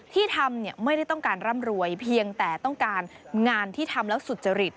ที่ทำไม่ได้ต้องการร่ำรวยเพียงแต่ต้องการงานที่ทำแล้วสุจริต